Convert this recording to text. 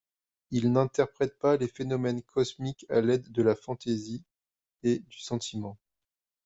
Il n'interprète pas les phénomènes cosmiques à l'aide de la fantaisie et du sentiment.